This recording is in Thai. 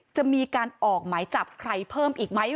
จะมีการออกหมายจับใครเพิ่มอีกไหม